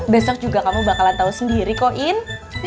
besok juga kamu bakalan tahu sendiri koin